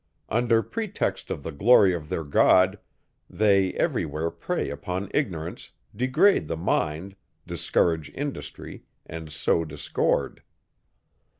Under pretext of the glory of their God, they every where prey upon ignorance, degrade the mind, discourage industry, and sow discord.